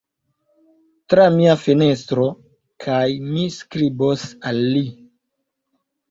Tra mia fenestro, kaj mi skribos al li.